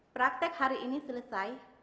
praktek hari ini selesai